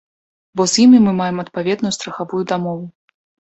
Бо з імі мы маем адпаведную страхавую дамову.